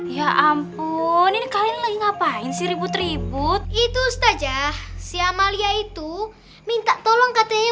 ya ampun ini kalian lagi ngapain sih ribut ribut itu saja si amalia itu minta tolong katanya